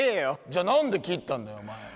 じゃあ何で切ったんだよ。